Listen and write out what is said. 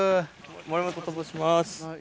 森本と申します。